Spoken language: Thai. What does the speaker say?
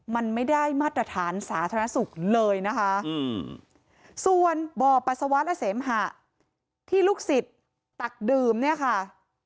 มันไม่ได้มาตรฐานสาธารณสุขเลยนะคะส่วนบ่อปัสสาวะและเสมหะที่ลูกศิษย์ตักดื่มเนี่ยค่ะ